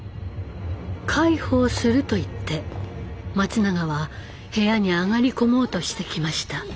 「介抱する」と言って松永は部屋に上がり込もうとしてきました。